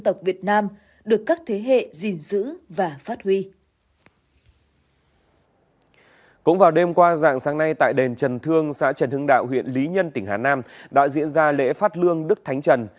cũng vào đêm qua dạng sáng nay tại đền trần thương xã trần hưng đạo huyện lý nhân tỉnh hà nam đã diễn ra lễ phát lương đức thánh trần